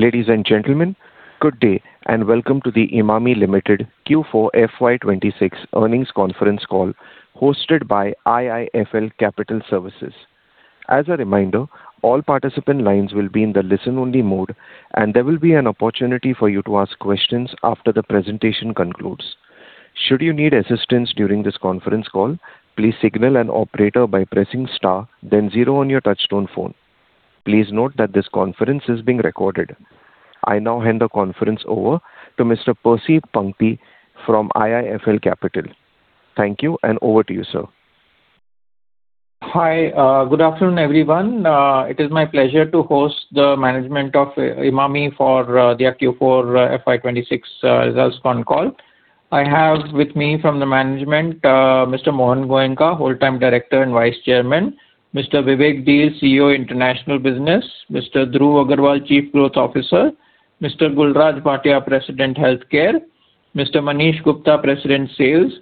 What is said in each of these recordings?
Ladies and gentlemen, good day, and welcome to the Emami Limited Q4 FY2026 earnings conference call hosted by IIFL Capital Services. As a reminder, all participant lines will be in the listen-only mode, and there will be an opportunity for you to ask questions after the presentation concludes. Should you need assistance during this conference call, please signal an operator by pressing star then zero on your touchtone phone. Please note that this conference is being recorded. I now hand the conference over to Mr. Percy Panthaki from IIFL Capital. Thank you, and over to you, sir. Hi. Good afternoon, everyone. It is my pleasure to host the management of Emami for their Q4 FY 2026 results con call. I have with me from the management, Mr. Mohan Goenka, Whole-time Director and Vice Chairman; Vivek Dhir, CEO, International Business; Mr. Dhruv Aggarwal, Chief Growth Officer; Gul Raj Bhatia, President, Healthcare; Mr. Manish Gupta, President, Sales;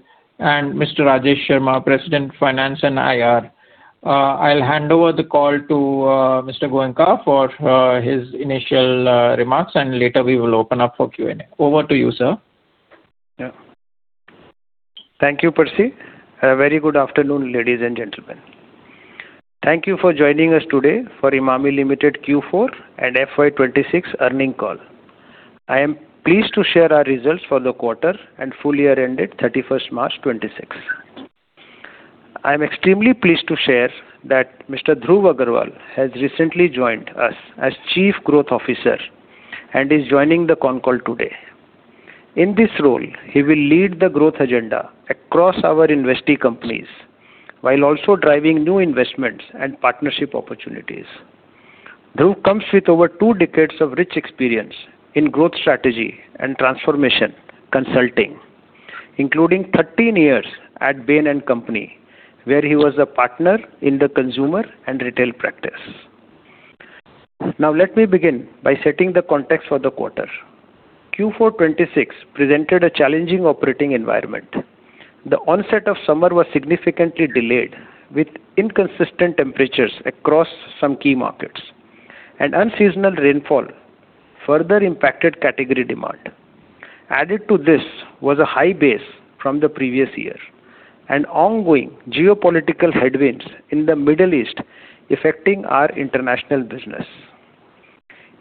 and Mr. Rajesh Sharma, President, Finance and IR. I'll hand over the call to Mr. Goenka for his initial remarks, and later we will open up for Q&A. Over to you, sir. Yeah. Thank you, Percy. A very good afternoon, ladies and gentlemen. Thank you for joining us today for Emami Limited Q4 and FY 2026 earnings call. I am pleased to share our results for the quarter and full year ended 31st March 2026. I am extremely pleased to share that Mr. Dhruv Aggarwal has recently joined us as Chief Growth Officer and is joining the con call today. In this role, he will lead the growth agenda across our investee companies, while also driving new investments and partnership opportunities. Dhruv comes with over two decades of rich experience in growth strategy and transformation consulting, including 13 years at Bain & Company, where he was a partner in the consumer and retail practice. Let me begin by setting the context for the quarter. Q4 2026 presented a challenging operating environment. The onset of summer was significantly delayed, with inconsistent temperatures across some key markets. Unseasonal rainfall further impacted category demand. Added to this was a high base from the previous year and ongoing geopolitical headwinds in the Middle East affecting our international business.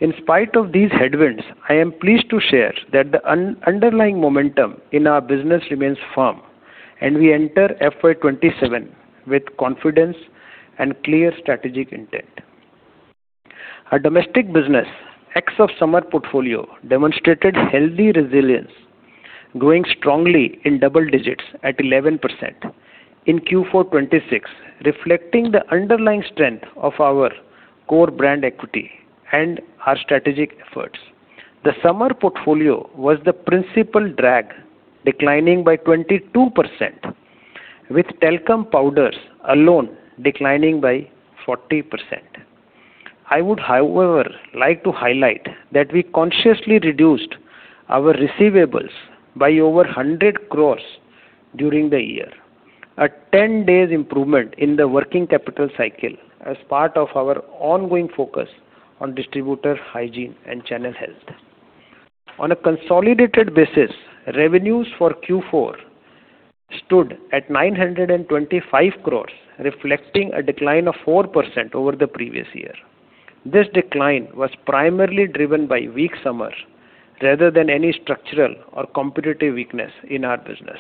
In spite of these headwinds, I am pleased to share that the underlying momentum in our business remains firm and we enter FY 2027 with confidence and clear strategic intent. Our domestic business ex of summer portfolio demonstrated healthy resilience, growing strongly in double digits at 11% in Q4 2026, reflecting the underlying strength of our core brand equity and our strategic efforts. The summer portfolio was the principal drag declining by 22%, with talcum powders alone declining by 40%. I would, however, like to highlight that we consciously reduced our receivables by over 100 crores during the year. A 10-day improvement in the working capital cycle as part of our ongoing focus on distributor hygiene and channel health. On a consolidated basis, revenues for Q4 stood at 925 crore, reflecting a decline of 4% over the previous year. This decline was primarily driven by weak summer rather than any structural or competitive weakness in our business.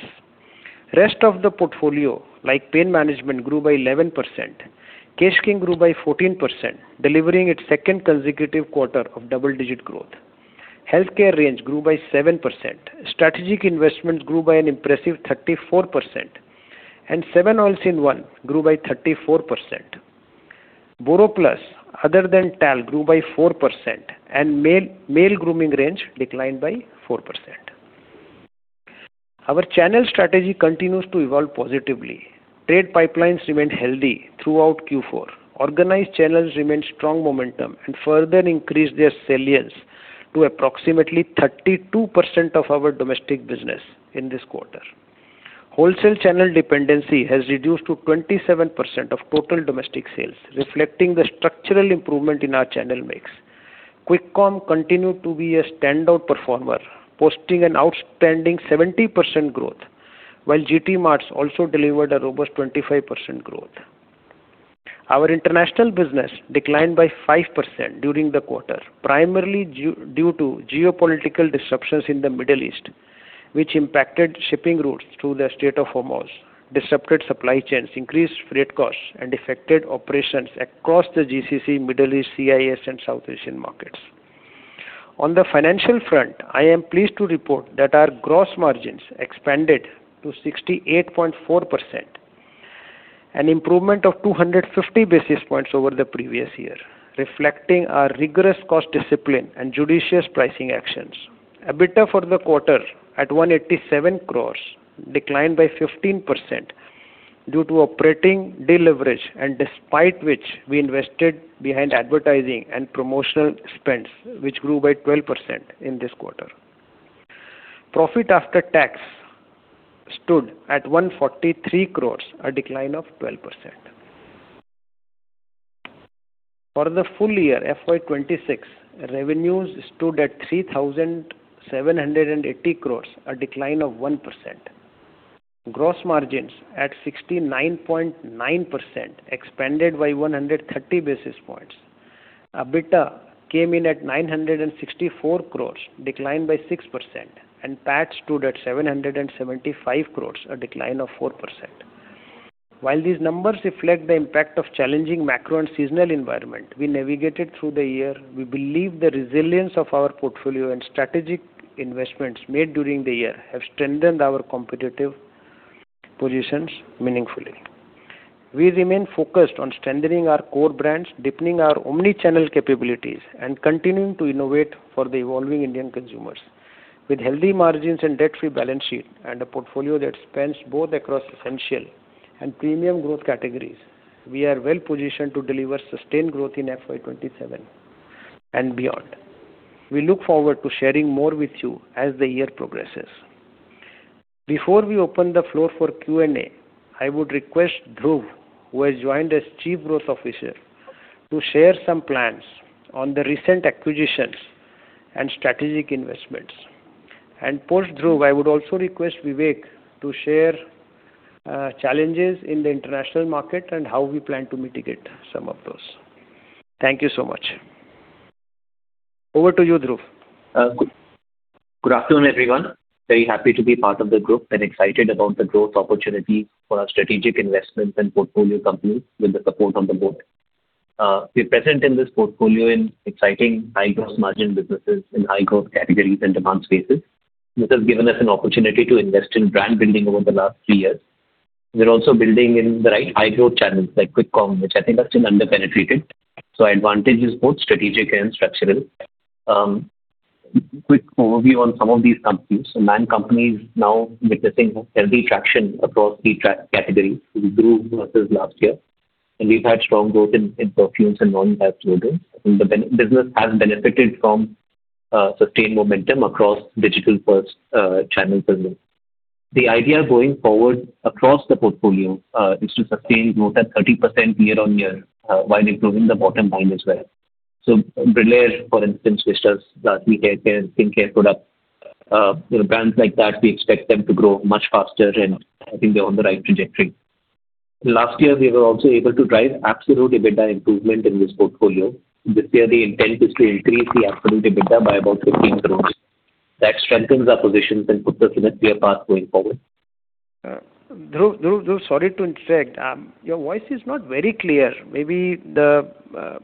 Rest of the portfolio like pain management grew by 11%. Kesh King grew by 14%, delivering its second consecutive quarter of double-digit growth. Healthcare range grew by 7%. Strategic investments grew by an impressive 34%. 7 Oils in One grew by 34%. BoroPlus other than talc grew by 4%. Male grooming range declined by 4%. Our channel strategy continues to evolve positively. Trade pipelines remained healthy throughout Q4. Organized channels remained strong momentum and further increased their salience to approximately 32% of our domestic business in this quarter. Wholesale channel dependency has reduced to 27% of total domestic sales, reflecting the structural improvement in our channel mix. Quick Com continued to be a standout performer, posting an outstanding 70% growth, while GT Marts also delivered a robust 25% growth. Our international business declined by 5% during the quarter, primarily due to geopolitical disruptions in the Middle East, which impacted shipping routes through the Strait of Hormuz, disrupted supply chains, increased freight costs, and affected operations across the GCC, Middle East, CIS, and South Asian markets. On the financial front, I am pleased to report that our gross margins expanded to 68.4%, an improvement of 250 basis points over the previous year, reflecting our rigorous cost discipline and judicious pricing actions. EBITDA for the quarter at 187 crores declined by 15% due to operating deleverage and despite which we invested behind advertising and promotional spends, which grew by 12% in this quarter. Profit after tax stood at 143 crores, a decline of 12%. For the full year FY 2026, revenues stood at 3,780 crores, a decline of 1%. Gross margins at 69.9%, expanded by 130 basis points. EBITDA came in at 964 crores, declined by 6%, and PAT stood at 775 crores, a decline of 4%. While these numbers reflect the impact of challenging macro and seasonal environment we navigated through the year, we believe the resilience of our portfolio and strategic investments made during the year have strengthened our competitive positions meaningfully. We remain focused on strengthening our core brands, deepening our omni-channel capabilities, and continuing to innovate for the evolving Indian consumers. With healthy margins and debt-free balance sheet and a portfolio that spans both across essential and premium growth categories, we are well-positioned to deliver sustained growth in FY 2027 and beyond. We look forward to sharing more with you as the year progresses. Before we open the floor for Q&A, I would request Dhruv, who has joined as Chief Growth Officer, to share some plans on the recent acquisitions and strategic investments. Post Dhruv, I would also request Vivek to share challenges in the international market and how we plan to mitigate some of those. Thank you so much. Over to you, Dhruv. Good afternoon, everyone. Very happy to be part of the group and excited about the growth opportunity for our strategic investments and portfolio companies with the support from the board. We're present in this portfolio in exciting high gross margin businesses, in high growth categories and demand spaces. This has given us an opportunity to invest in brand building over the last three years. We're also building in the right high growth channels like Quick Com, which I think are still under-penetrated. Our advantage is both strategic and structural. Quick overview on some of these companies. The Man Company is now witnessing healthy traction across the categories. We grew versus last year, and we've had strong growth in perfumes and non-perfume [deos]. I think the business has benefited from sustained momentum across digital-first channel business. The idea going forward across the portfolio is to sustain growth at 30% year-over-year, while improving the bottom line as well. Brillare, for instance, which does luxury haircare and skincare products, brands like that, we expect them to grow much faster, and I think they're on the right trajectory. Last year, we were also able to drive absolute EBITDA improvement in this portfolio. This year, the intent is to increase the absolute EBITDA by about 15 crores. That strengthens our positions and puts us in a clear path going forward. Dhruv, sorry to interrupt. Your voice is not very clear. Maybe the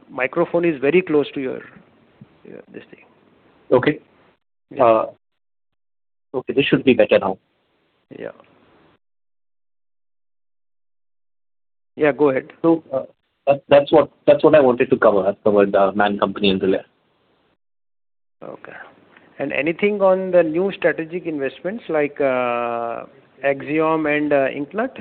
microphone is very close to your this thing. Okay. Okay, this should be better now. Yeah. Yeah, go ahead. That's what I wanted to cover. I've covered The Man Company and Brillare. Okay. Anything on the new strategic investments like Axiom and IncNut?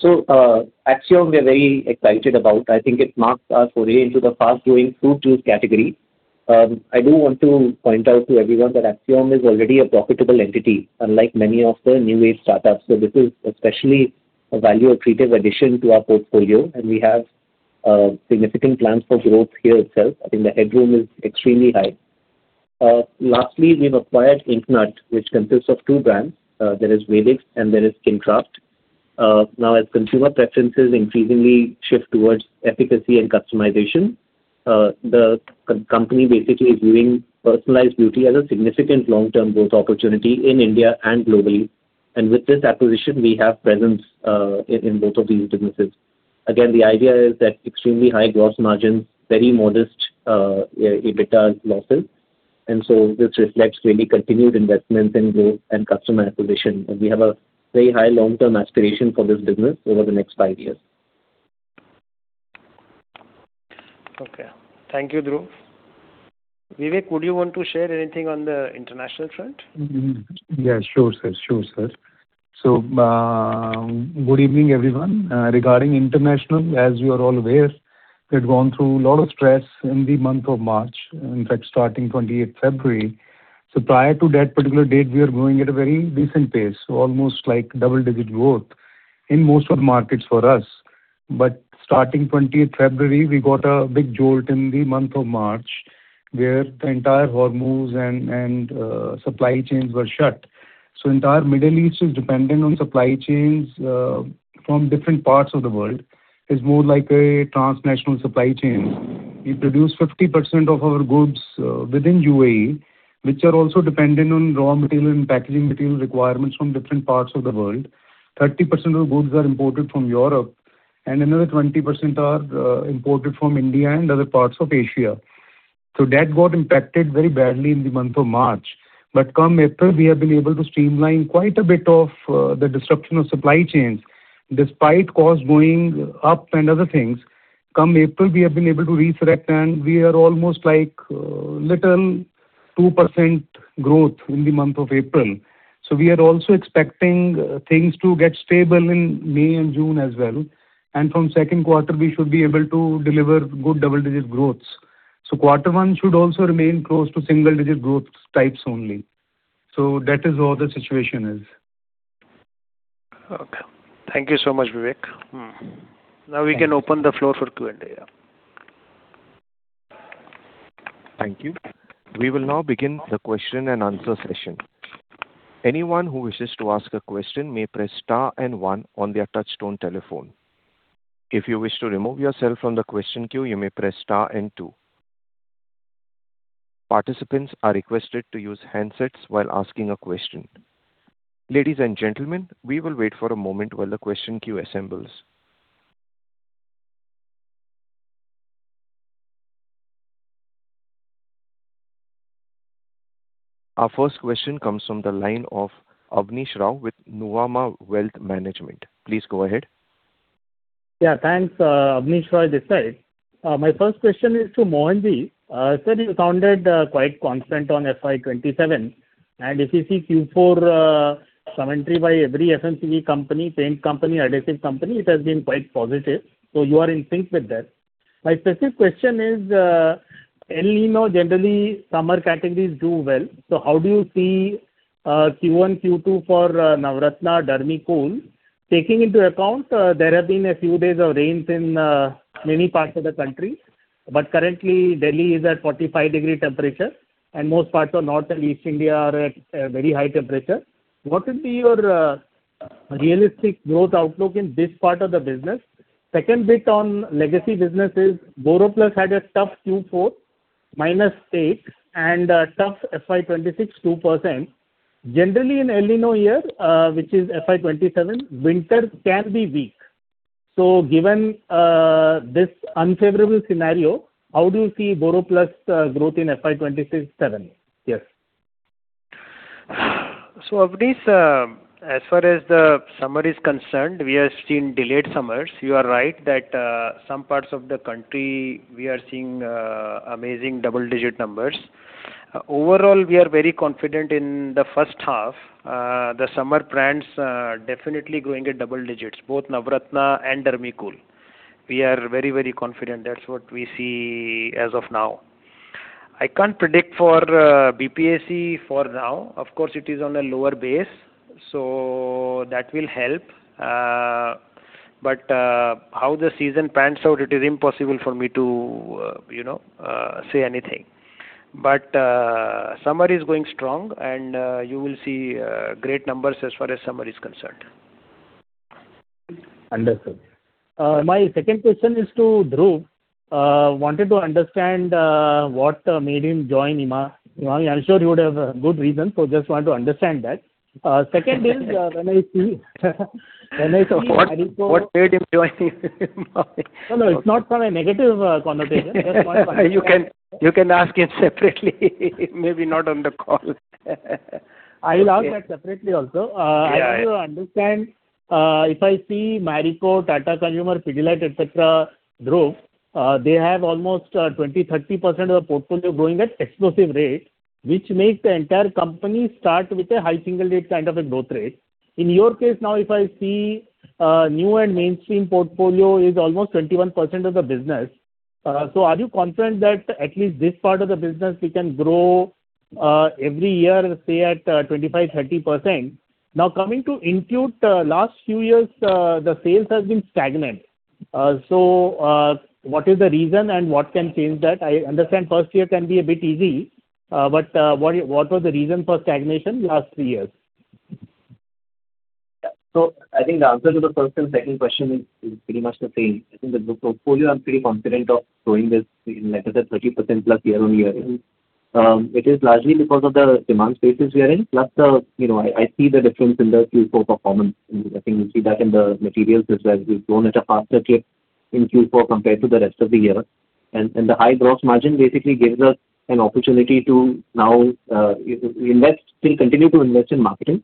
Sure. Axiom, we are very excited about. I think it marks our foray into the fast-growing fruit juice category. I do want to point out to everyone that Axiom is already a profitable entity, unlike many of the new age startups. This is especially a value accretive addition to our portfolio, and we have significant plans for growth here itself. I think the headroom is extremely high. Lastly, we've acquired IncNut, which consists of two brands. There is Vedix and there is SkinKraft. As consumer preferences increasingly shift towards efficacy and customization, the company basically is viewing personalized beauty as a significant long-term growth opportunity in India and globally. With this acquisition, we have presence in both of these businesses. The idea is that extremely high gross margins, very modest EBITDA losses, and so this reflects really continued investments in growth and customer acquisition. We have a very high long-term aspiration for this business over the next five years. Okay. Thank you, Dhruv. Vivek, would you want to share anything on the international front? Yeah, sure, sir. Good evening, everyone. Regarding international, as you are all aware, we had gone through a lot of stress in the month of March, in fact, starting 20th February. Prior to that particular date, we were growing at a very decent pace, almost like double-digit growth in most of the markets for us. Starting 20th February, we got a big jolt in the month of March, where the entire world moves and supply chains were shut. Entire Middle East is dependent on supply chains from different parts of the world. It's more like a transnational supply chain. We produce 50% of our goods within UAE, which are also dependent on raw material and packaging material requirements from different parts of the world. 30% of the goods are imported from Europe, another 20% are imported from India and other parts of Asia. That got impacted very badly in the month of March. Come April, we have been able to streamline quite a bit of the disruption of supply chains, despite costs going up and other things. Come April, we have been able to resurrect, and we are almost like little 2% growth in the month of April. We are also expecting things to get stable in May and June as well. From second quarter, we should be able to deliver good double-digit growth. Quarter one should also remain close to single-digit growth types only. That is how the situation is. Okay. Thank you so much, Vivek. Thank you. Now we can open the floor for Q&A. Thank you. We will now begin the question and answer session. Anyone who wishes to ask a question may press star and one on their touchtone telephone. If you wish to remove yourself from the question queue, you may press star and two. Participants are requested to use handsets while asking a question. Ladies and gentlemen, we will wait for a moment while the question queue assembles. Our first question comes from the line of Abneesh Roy with Nuvama Wealth Management. Please go ahead. Thanks. Abneesh Roy this side. My first question is to Mohan Ji. Sir, you sounded quite confident on FY 2027. If you see Q4 commentary by every FMCG company, paint company, adhesive company, it has been quite positive. You are in sync with that. My specific question is, El Niño, generally summer categories do well, so how do you see Q1, Q2 for Navratna, Dermicool? Taking into account, there have been a few days of rains in many parts of the country, but currently Delhi is at 45 degree temperature, and most parts of North and East India are at very high temperature. What would be your realistic growth outlook in this part of the business? Second bit on legacy businesses. BoroPlus had a tough Q4, -8%, and a tough FY 2026, 2%. Generally, in El Niño year, which is FY 2027, winter can be weak. Given this unfavorable scenario, how do you see BoroPlus growth in FY 2026-2027? Yes. Abneesh, as far as the summer is concerned, we have seen delayed summers. You are right that some parts of the country, we are seeing amazing double-digit numbers. Overall, we are very confident in the first half. The summer brands are definitely growing at double digits, both Navratna and Dermicool. We are very confident. That’s what we see as of now. I can’t predict for BPSC for now. Of course, it is on a lower base, so that will help. But how the season pans out, it is impossible for me to say anything. But summer is going strong and you will see great numbers as far as summer is concerned. Understood. My second question is to Dhruv. Wanted to understand what made him join Emami. I’m sure he would have a good reason, so just want to understand that. Second is when I see Marico- What made him join Emami? No, it's not from a negative connotation. You can ask him separately. Maybe not on the call. I will ask that separately also. Yeah. I want to understand, if I see Marico, Tata Consumer, Pidilite, et cetera, Dhruv, they have almost 20%-30% of the portfolio growing at explosive rates, which makes the entire company start with a high single rate kind of a growth rate. In your case now, if I see new and mainstream portfolio is almost 21% of the business. Are you confident that at least this part of the business we can grow every year, say, at 25%-30%? Coming to IncNut, last few years, the sales has been stagnant. What is the reason and what can change that? I understand first year can be a bit easy, what was the reason for stagnation the last three years? I think the answer to the first and second question is pretty much the same. I think the portfolio, I'm pretty confident of growing this, like I said, 30%+ year-on-year. It is largely because of the demand spaces we are in. I see the difference in the Q4 performance. I think we see that in the materials as well. We've grown at a faster clip in Q4 compared to the rest of the year. The high gross margin basically gives us an opportunity to now still continue to invest in marketing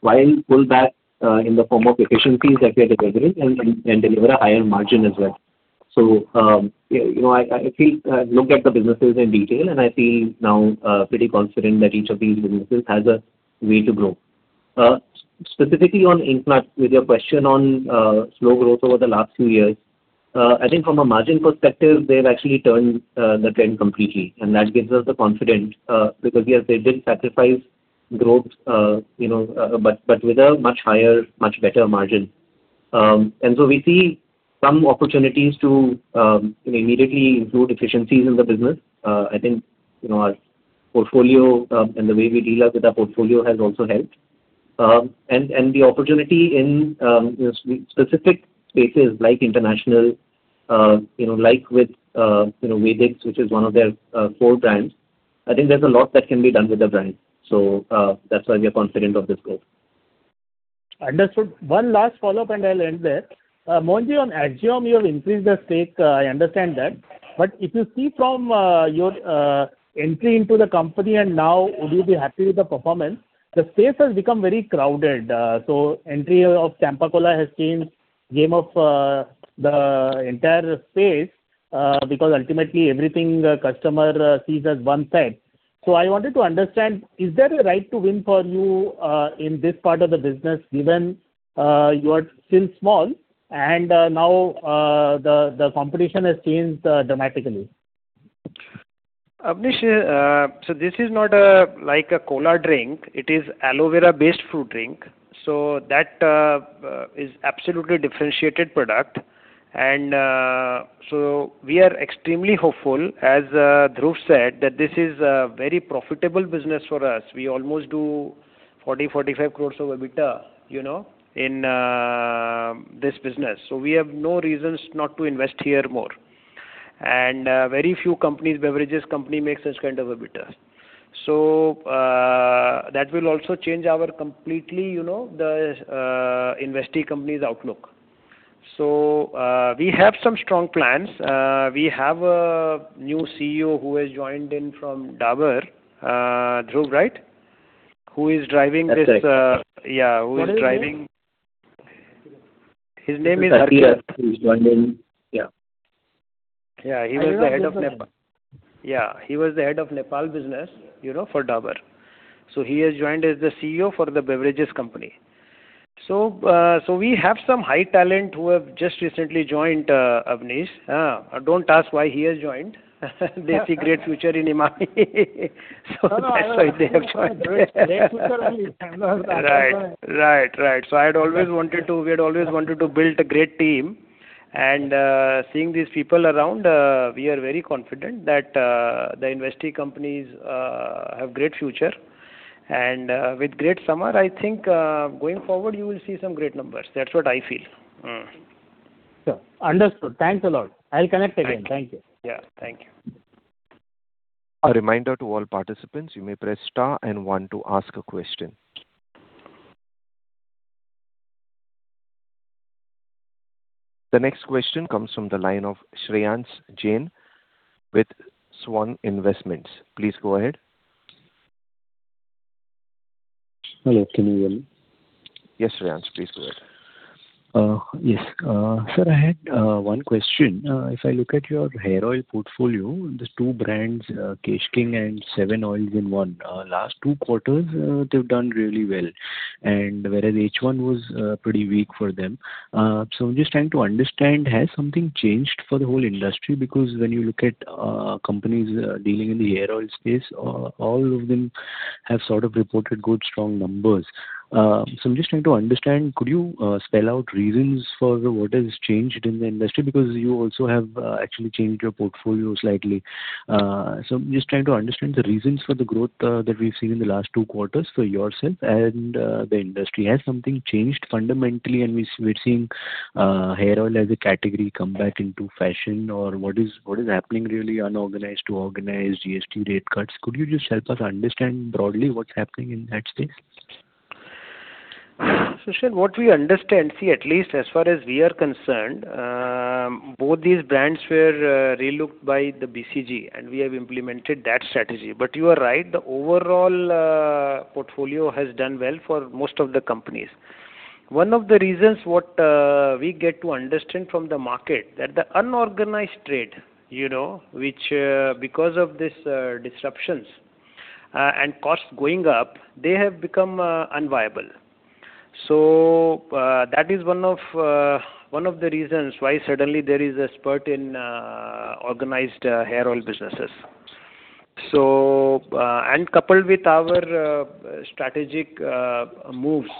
while pull back in the form of efficiencies that we are delivering and deliver a higher margin as well. I feel I looked at the businesses in detail, and I feel now pretty confident that each of these businesses has a way to grow. Specifically on IncNut, with your question on slow growth over the last few years. I think from a margin perspective, they've actually turned the trend completely, and that gives us the confidence, because yes, they did sacrifice growth, but with a much higher, much better margin. We see some opportunities to immediately include efficiencies in the business. I think our portfolio, and the way we deal with our portfolio has also helped. The opportunity in specific spaces like international, like with Vedix, which is one of their four brands, I think there's a lot that can be done with the brand. That's why we are confident of this growth. Understood. One last follow-up and I'll end there. Mohan Ji, on Axiom, you have increased the stake, I understand that. If you see from your entry into the company and now, would you be happy with the performance? The space has become very crowded, so entry of Campa Cola has changed game of the entire space. Because ultimately everything customer sees as one type. I wanted to understand, is there a right to win for you in this part of the business, given you are still small and now the competition has changed dramatically? Abneesh, this is not like a cola drink. It is aloe vera-based fruit drink. We are extremely hopeful, as Dhruv said, that this is a very profitable business for us. We almost do 40 crores-45 crores of EBITDA in this business. We have no reasons not to invest here more. Very few beverages company makes such kind of EBITDA. That will also change our completely, the investee company's outlook. We have some strong plans. We have a new CEO who has joined in from Dabur. Dhruv, right? Who is driving this. That's right. Yeah. Who is driving. What is his name? His name is Harsha. He's joined in, yeah. Yeah. He was the head of Nepal business for Dabur. He has joined as the CEO for the beverages company. We have some high talent who have just recently joined, Abneesh. Don't ask why he has joined. They see great future in Emami. That's why they have joined. Great future only. Right. We had always wanted to build a great team, and seeing these people around, we are very confident that the investee companies have great future. With great summer, I think, going forward, you will see some great numbers. That's what I feel. Sure. Understood. Thanks a lot. I'll connect again. Thank you. Yeah. Thank you. A reminder to all participants, you may press star and one to ask a question. The next question comes from the line of Shreyansh Jain with Swan Investments. Please go ahead. Hello, can you hear me? Yes, Shreyansh, please go ahead. Yes. Sir, I had one question. If I look at your hair oil portfolio, the two brands, Kesh King and 7 Oils in One, last two quarters, they've done really well, and whereas H1 was pretty weak for them. I'm just trying to understand, has something changed for the whole industry? When you look at companies dealing in the hair oil space, all of them have sort of reported good, strong numbers. I'm just trying to understand, could you spell out reasons for what has changed in the industry? You also have actually changed your portfolio slightly. I'm just trying to understand the reasons for the growth that we've seen in the last two quarters for yourself and the industry. Has something changed fundamentally, and we're seeing hair oil as a category come back into fashion or what is happening really, unorganized to organized, GST rate cuts? Could you just help us understand broadly what's happening in that space? Shreyansh, what we understand, at least as far as we are concerned, both these brands were relooked by the BCG. We have implemented that strategy. You are right, the overall portfolio has done well for most of the companies. One of the reasons what we get to understand from the market, that the unorganized trade, which because of these disruptions and costs going up, they have become unviable. That is one of the reasons why suddenly there is a spurt in organized hair oil businesses. Coupled with our strategic moves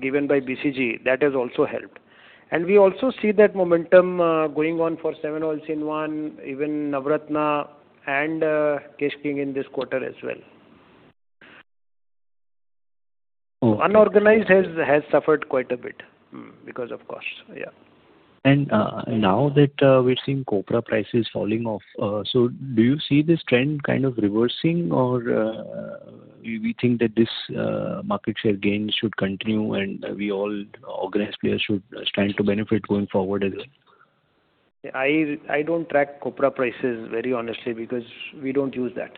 given by BCG, that has also helped. We also see that momentum going on for 7 Oils in One, even Navratna and Kesh King in this quarter as well. Okay. Unorganized has suffered quite a bit because of costs. Yeah. Now that we're seeing copra prices falling off, so do you see this trend kind of reversing or you think that this market share gains should continue and we all organized players should stand to benefit going forward as well? I don't track copra prices very honestly because we don't use that.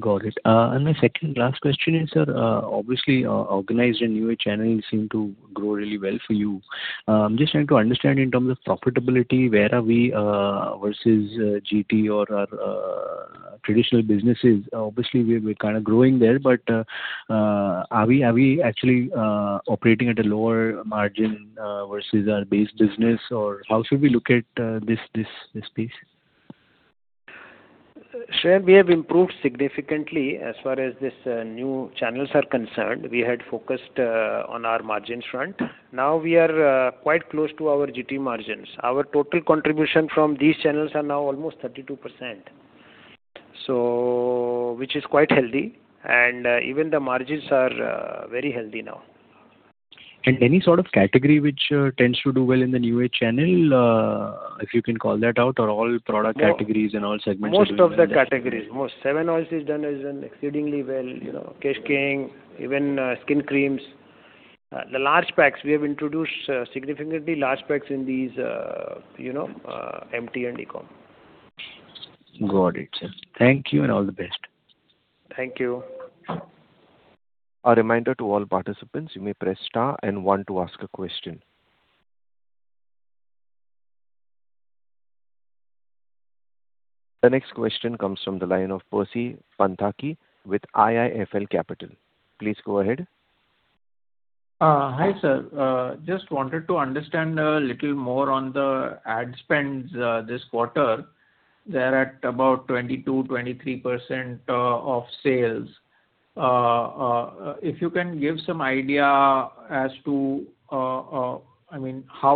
Got it. My second last question is, sir, obviously, organized and new age channeling seem to grow really well for you. I'm just trying to understand in terms of profitability, where are we versus GT or our traditional businesses? Obviously, we're kind of growing there, but are we actually operating at a lower margin versus our base business or how should we look at this piece? Shreyansh, we have improved significantly as far as this new channels are concerned. We had focused on our margin front. Now we are quite close to our GT margins. Our total contribution from these channels are now almost 32%. Which is quite healthy, and even the margins are very healthy now. Any sort of category which tends to do well in the new age channel, if you can call that out, or all product categories and all segments. Most of the categories. 7 Oils has done exceedingly well. Kesh King, even skin creams. The large packs, we have introduced significantly large packs in these MT and e-com. Got it, sir. Thank you, and all the best. Thank you. The next question comes from the line of Percy Panthaki with IIFL Capital. Please go ahead. Hi, sir. Just wanted to understand a little more on the ad spends this quarter. They're at about 22%, 23% of sales. If you can give some idea as to how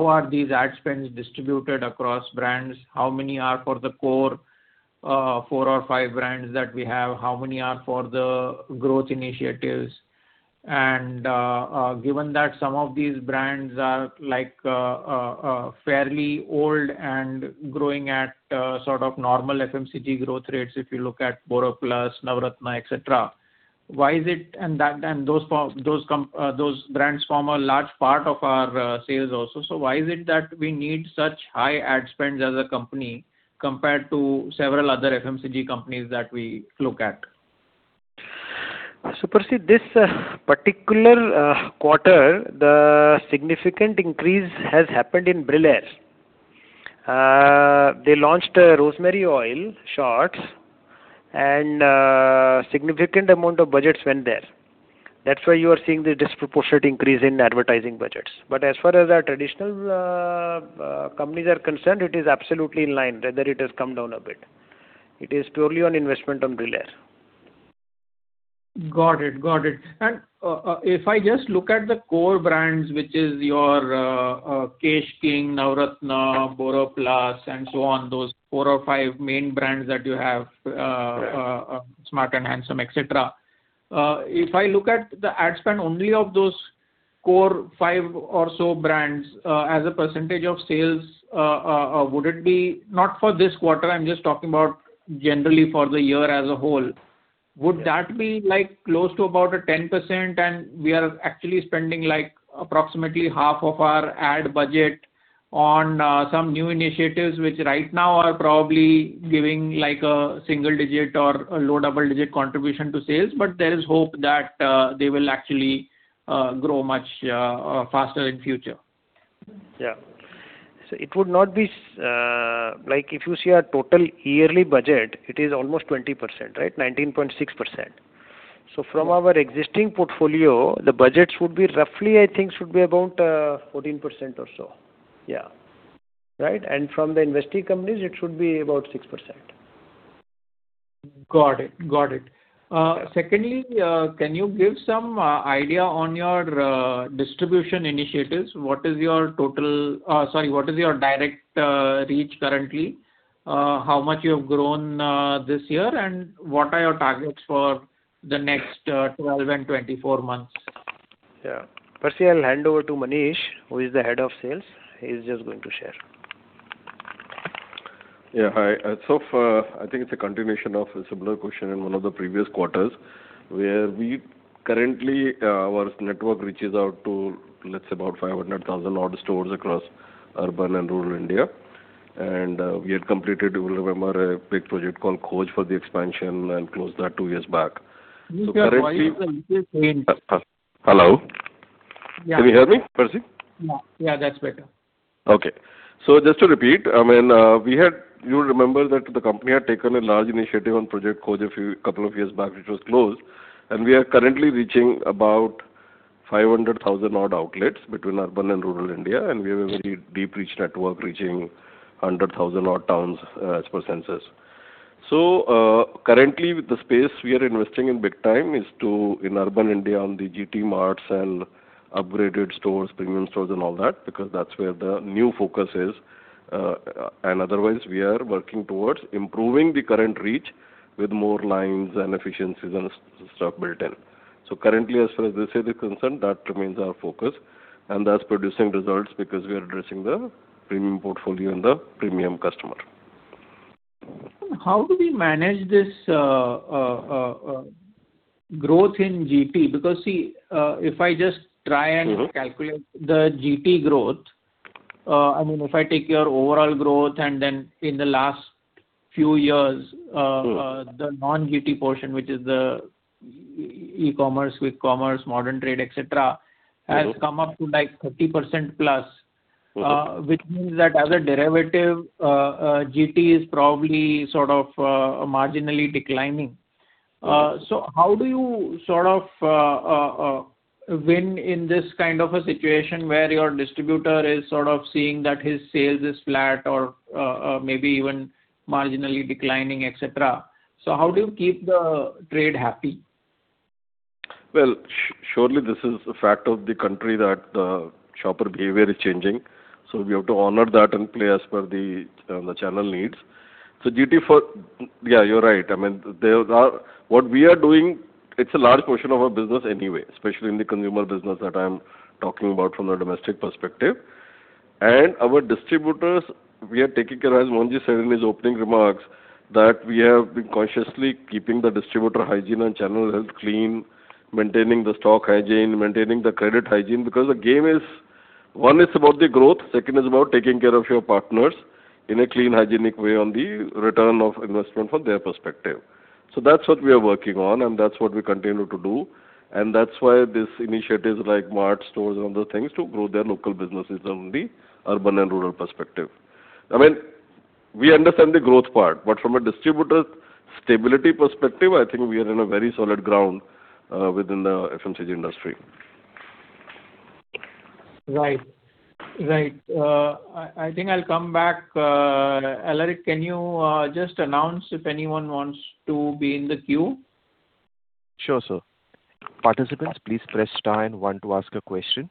are these ad spends distributed across brands, how many are for the core four or five brands that we have, how many are for the growth initiatives? Given that some of these brands are fairly old and growing at sort of normal FMCG growth rates, if you look at BoroPlus, Navratna, et cetera. Those brands form a large part of our sales also, why is it that we need such high ad spends as a company compared to several other FMCG companies that we look at? Percy, this particular quarter, the significant increase has happened in Brillare. They launched rosemary oil shots and a significant amount of budgets went there. That's why you are seeing the disproportionate increase in advertising budgets. As far as our traditional companies are concerned, it is absolutely in line, rather it has come down a bit. It is purely on investment on Brillare. Got it. If I just look at the core brands, which is your Kesh King, Navratna, BoroPlus and so on, those four or five main brands that you have. Correct Smart and Handsome, et cetera. If I look at the ad spend only of those core five or so brands, as a percentage of sales, would it be, not for this quarter, I am just talking about generally for the year as a whole? Yeah. Would that be close to about a 10% and we are actually spending approximately half of our ad budget on some new initiatives, which right now are probably giving a single-digit or a low double-digit contribution to sales, but there is hope that they will actually grow much faster in future. Yeah. If you see our total yearly budget, it is almost 20%, right? 19.6%. From our existing portfolio, the budgets would be roughly, I think, should be about 14% or so. Yeah. Right? From the investing companies, it should be about 6%. Got it. Can you give some idea on your distribution initiatives? What is your direct reach currently? How much you have grown this year, and what are your targets for the next 12 and 24 months? Yeah. Percy, I'll hand over to Manish, who is the head of sales. He's just going to share. Yeah, hi. I think it's a continuation of a similar question in one of the previous quarters, where currently our network reaches out to, let's say about 500,000 odd stores across urban and rural India. We had completed, you will remember, a big project called Khoj for the expansion, and closed that two years back. Please, your voice is a little faint. Hello. Yeah. Can you hear me, Percy? Yeah. That's better. Okay. Just to repeat, you'll remember that the company had taken a large initiative on Project Khoj a couple of years back, which was closed. We are currently reaching about 500,000 odd outlets between urban and rural India. We have a very deep reach network reaching 100,000 odd towns, as per census. Currently with the space we are investing in big time is in urban India on the GT Marts and upgraded stores, premium stores and all that, because that's where the new focus is. Otherwise, we are working towards improving the current reach with more lines and efficiencies and stuff built in. Currently, as far as this is concerned, that remains our focus, and that's producing results because we are addressing the premium portfolio and the premium customer. How do we manage this growth in GT? If I just try and calculate the GT growth. If I take your overall growth and then in the last few years, the non-GT portion, which is the e-commerce, Quick Commerce, modern trade, et cetera has come up to 30%+. Which means that as a derivative, GT is probably sort of marginally declining. How do you win in this kind of a situation where your distributor is seeing that his sales is flat or maybe even marginally declining, et cetera? How do you keep the trade happy? Well, surely this is a fact of the country that the shopper behavior is changing. We have to honor that and play as per the channel needs. Yeah, you're right. What we are doing, it's a large portion of our business anyway, especially in the consumer business that I'm talking about from the domestic perspective. Our distributors, we are taking care, as Mohan Ji said in his opening remarks, that we have been consciously keeping the distributor hygiene and channel health clean, maintaining the stock hygiene, maintaining the credit hygiene, because the game is. One is about the growth, second is about taking care of your partners in a clean, hygienic way on the return of investment from their perspective. That's what we are working on, and that's what we continue to do. That's why these initiatives like mart stores and other things to grow their local businesses on the urban and rural perspective. We understand the growth part, but from a distributor stability perspective, I think we are in a very solid ground within the FMCG industry. Right. I think I'll come back. Alaric, can you just announce if anyone wants to be in the queue? Sure, sir. Participants, please press star and one to ask a question.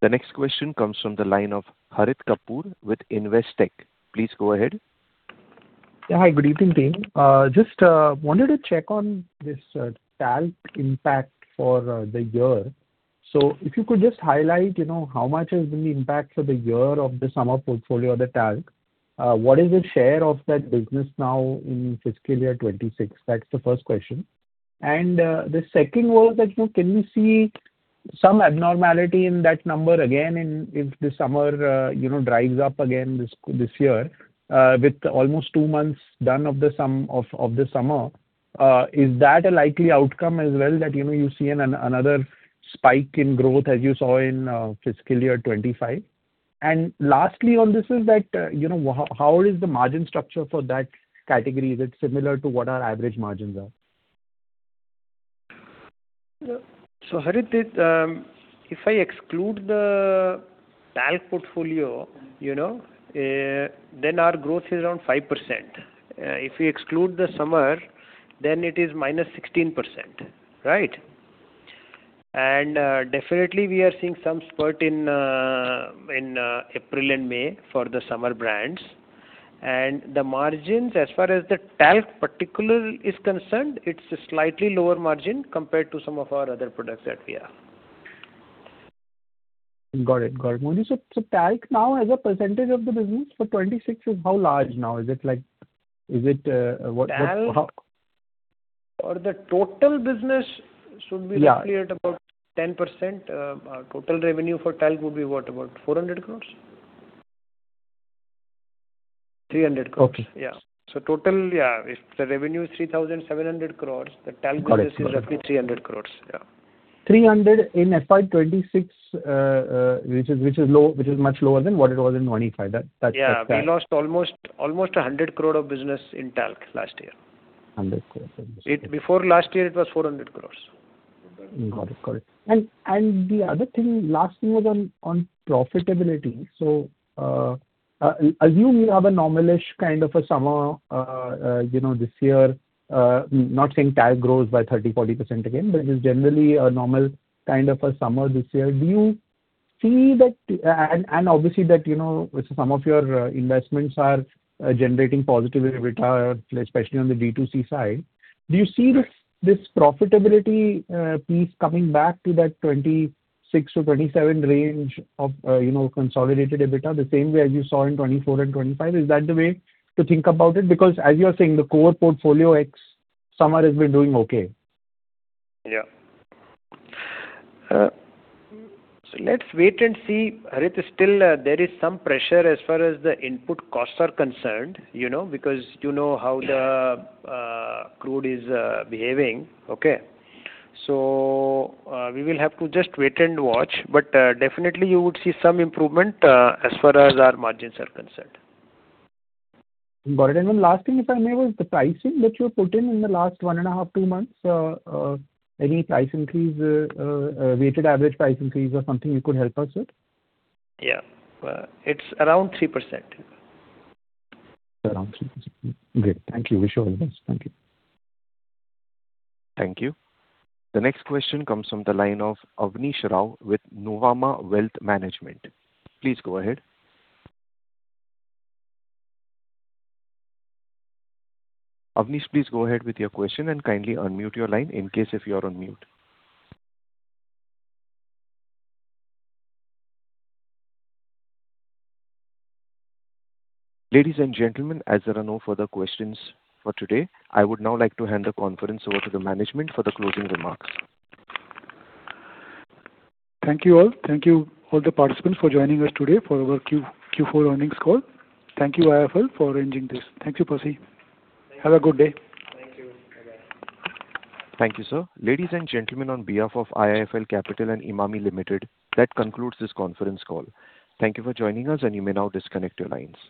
The next question comes from the line of Harit Kapoor with Investec. Please go ahead. Hi, good evening to you. Just wanted to check on this talc impact for the year. If you could just highlight how much has been the impact for the year of the summer portfolio of the talc. What is the share of that business now in FY 2026? That's the first question. The second was that, can you see some abnormality in that number again if the summer drives up again this year, with almost two months done of the summer? Is that a likely outcome as well, that you see another spike in growth as you saw in FY 2025? Lastly on this is that, how is the margin structure for that category? Is it similar to what our average margins are? Harit, if I exclude the talc portfolio, then our growth is around 5%. If we exclude the summer, then it is -16%. Right? Definitely we are seeing some spurt in April and May for the summer brands. The margins, as far as the talc particularly is concerned, it is a slightly lower margin compared to some of our other products that we have. Got it. Talc now as a percentage of the business for FY 2026 is how large now? Talc for the total business should be. Yeah roughly at about 10%. Total revenue for talc would be what? About 400 crores? 300 crores. Okay. Yeah. Total, if the revenue is 3,700 crores, the talc business- Got it. is roughly 300 crores. Yeah. 300 crores in FY 2026, which is much lower than what it was in 2025. Yeah. We lost almost 100 crore of business in talc last year. 100 crores. Before last year it was 400 crores. Got it. The other thing, last thing was on profitability. Assume you have a normalish kind of a summer this year. Not saying talc grows by 30%-40% again, but just generally a normal kind of a summer this year. Obviously that some of your investments are generating positive EBITDA, especially on the B2C side. Do you see this profitability piece coming back to that 26%-27% range of consolidated EBITDA the same way as you saw in 2024 and 2025? Is that the way to think about it? As you are saying, the core portfolio ex summer has been doing okay. Yeah. Let's wait and see. Harit, still there is some pressure as far as the input costs are concerned, because you know how the crude is behaving. Okay? We will have to just wait and watch, but definitely you would see some improvement as far as our margins are concerned. One last thing, if I may, was the pricing that you put in in the last one and a half, two months. Any price increase, weighted average price increase or something you could help us with? Yeah. It is around 3%. Around 3%. Great. Thank you. Wish you all the best. Thank you. Thank you. The next question comes from the line of Abneesh Roy with Nuvama Wealth Management. Please go ahead. Abneesh, please go ahead with your question and kindly unmute your line in case if you are on mute. Ladies and gentlemen, as there are no further questions for today, I would now like to hand the conference over to the management for the closing remarks. Thank you all. Thank you all the participants for joining us today for our Q4 earnings call. Thank you IIFL for arranging this. Thank you, Percy. Have a good day. Thank you. Bye. Thank you, sir. Ladies and gentlemen, on behalf of IIFL Capital and Emami Limited, that concludes this conference call. Thank you for joining us, and you may now disconnect your lines.